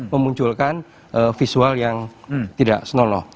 memunculkan visual yang tidak snoloh